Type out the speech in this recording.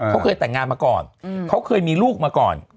เขาเคยแต่งงานมาก่อนเขาเคยมีลูกมาก่อน